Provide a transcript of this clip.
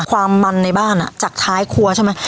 ความมันในบ้านจากท้ายครัวใช่ไหม